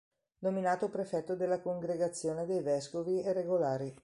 Nominato Prefetto della Congregazione dei vescovi e regolari.